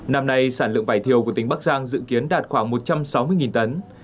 năm nay sản lượng vải thiều của tỉnh bắc giang dự kiến đạt khoảng một trăm sáu mươi tấn